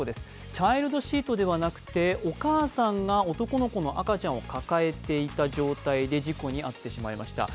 チャイルドシートではなくてお母さんが男の子の赤ちゃんを抱えていた状態で事故に遭ってしまいました。